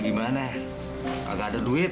gimana aja enggak ada duit